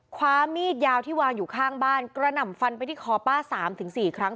คว้ามีดยาวที่วางอยู่ข้างบ้านกระหน่ำฟันไปที่คอป้า๓๔ครั้ง